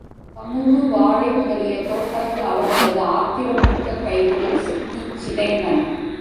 கமுகு, வாழை முதலிய தோட்டங்கள் அவர்களது ஆத்திரம்மிக்க கைகளிற் சிக்கிச் சிதைந்தன.